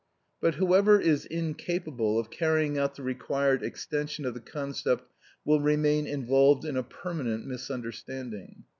But whoever is incapable of carrying out the required extension of the concept will remain involved in a permanent misunderstanding.